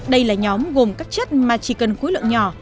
đây là nhóm gồm các chất mà chỉ cần khối lượng nhỏ